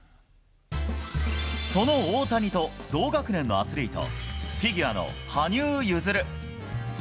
その大谷と同学年のアスリート、フィギュアの羽生結弦。